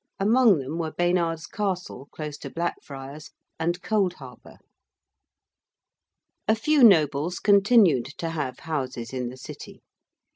Among them were Baynard's Castle, close to Blackfriars, and Cold Harbour. A few nobles continued to have houses in the City.